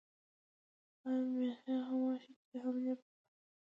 حال مې بيخي هماغه شى و چې د حملې پر وخت و.